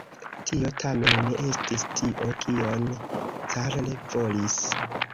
Tio tamen ne estis tio kion Carl volis.